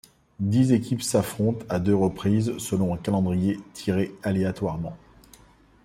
Les dix équipes s'affrontent à deux reprises selon un calendrier tiré aléatoirement.